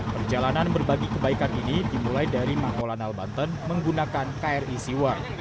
perjalanan berbagi kebaikan ini dimulai dari mangkolanal banten menggunakan kri siwa